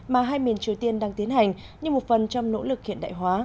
mà hai miền triều tiên đang tiến hành như một phần trong nỗ lực hiện đại hóa